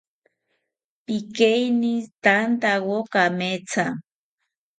Pikeinistantawo kametha